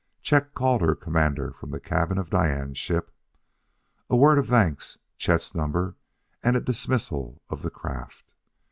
Chet called her commander from the cabin of Diane's ship. A word of thanks Chet's number and a dismissal of the craft.